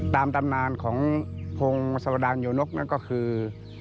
ตามตำนานของพงศวดานโยนกนั่นก็คือ